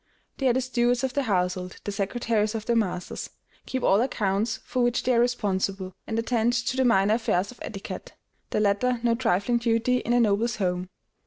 They are the stewards of the household, the secretaries of their masters; keep all accounts, for which they are responsible, and attend to the minor affairs of etiquette, the latter no trifling duty in a noble's home.